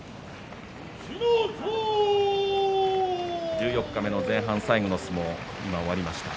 十四日目の前半最後の相撲が終わりました。